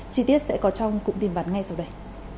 chi tiết sẽ có trong cụm tin bắn ngay sau đây